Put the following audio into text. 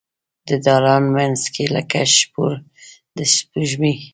د دالان مینځ کې لکه شپول د سپوږمۍ